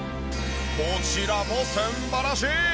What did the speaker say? こちらも素晴らしい！